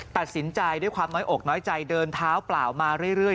ตัดสินใจด้วยความน้อยอกน้อยใจเดินเท้าเปล่ามาเรื่อย